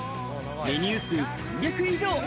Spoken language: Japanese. メニュー数３００以上。